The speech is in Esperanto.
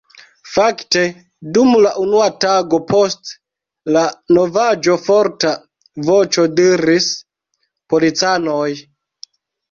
Fakte, dum la unua tago post la novaĵo forta voĉo diris: Policanoj!